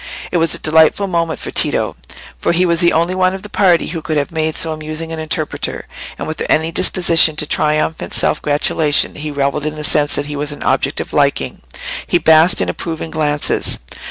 It was a delightful moment for Tito, for he was the only one of the party who could have made so amusing an interpreter, and without any disposition to triumphant self gratulation he revelled in the sense that he was an object of liking—he basked in approving glances.